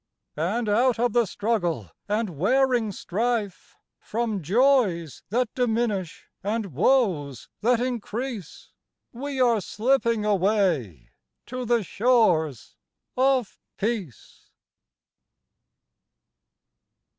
And out of the struggle and wearing strife, From joys that diminish, and woes that increase, We are slipping away to the shores of Peace.